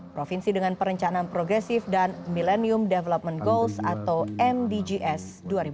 provinsi dengan perencanaan progresif dan millennium development goals atau mdgs dua ribu dua puluh